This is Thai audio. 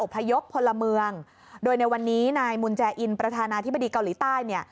พยพพลเมืองโดยในวันนี้นายมุนแจอินประธานาธิบดีเกาหลีใต้เนี่ย